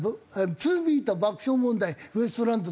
ツービート爆笑問題ウエスト